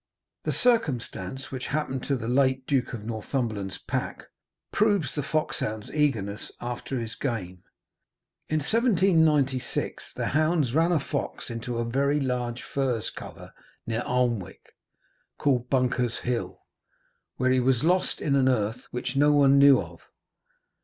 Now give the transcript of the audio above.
The circumstance which happened to the late Duke of Northumberland's pack proves the foxhound's eagerness after his game. In 1796 the hounds ran a fox into a very large furze cover near Alnwick, called Bunker's Hill, where he was lost in an earth which no one knew of.